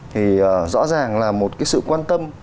thì rõ ràng là một cái sự quan tâm